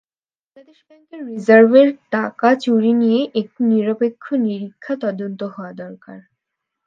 বাংলাদেশ ব্যাংকের রিজার্ভের টাকা চুরি নিয়ে একটি নিরপেক্ষ নিরীক্ষা তদন্ত হওয়া দরকার।